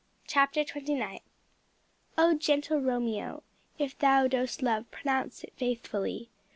CHAPTER TWENTY NINTH. "Oh, gentle Romeo, If thou dost love, pronounce it faithfully.